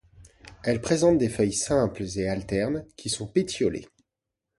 Elle présente des feuilles simples et alternes, qui sont pétiolées.